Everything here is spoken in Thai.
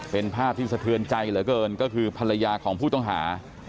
เป็นภาพที่สะเทือนใจเหลือเกินก็คือภรรยาของผู้ต้องหา